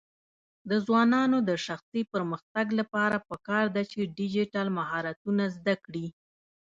د ځوانانو د شخصي پرمختګ لپاره پکار ده چې ډیجیټل مهارتونه زده کړي.